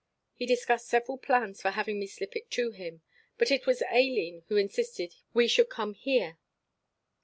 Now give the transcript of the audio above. He discussed several plans for having me slip it to him, but it was Aileen who insisted we should come here.